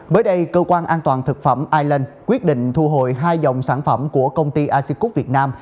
bới đây cơ quan an toàn thực phẩm island quyết định thu hồi hai dòng sản phẩm của công ty asicut việt nam